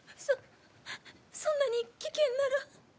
そそんなに危険なら。